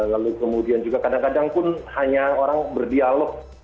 lalu kemudian juga kadang kadang pun hanya orang berdialog